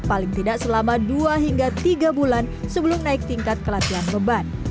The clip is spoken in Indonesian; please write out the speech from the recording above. paling tidak selama dua hingga tiga bulan sebelum naik tingkat kelatihan beban